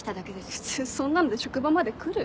普通そんなんで職場まで来る？